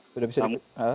sudah bisa dikendalikan